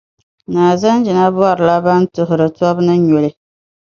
Naa Zanjina bɔrila ban tuhiri tobu ni nyuli.